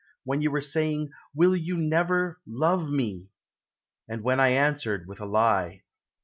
When you were saying, "Will you never love me?" And when I answered with a lie.